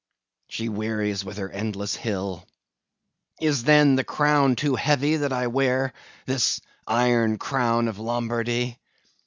she wearies with her endless hill. Is, then, the crown too heavy that I wear? this Iron Crown of Lombardy.